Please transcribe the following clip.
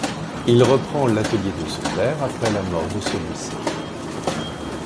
Il reprend l'atelier de son père après la mort de celui-ci.